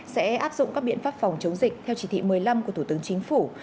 sẽ áp dụng các biện pháp phòng chống dịch theo chỉ thị một mươi năm của thủ tướng chính phủ